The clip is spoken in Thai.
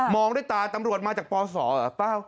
องด้วยตาตำรวจมาจากปศเหรอเปล่า